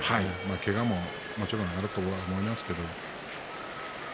けがももちろんあるとは思いますが。